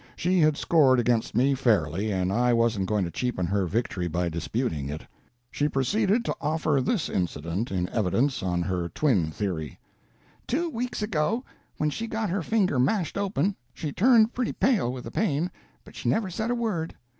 She had scored against me fairly, and I wasn't going to cheapen her victory by disputing it. She proceeded to offer this incident in evidence on her twin theory: "Two weeks ago when she got her finger mashed open, she turned pretty pale with the pain, but she never said a word.